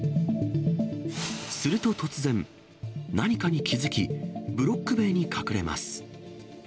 すると突然、何かに気付き、ブロック塀に隠れます。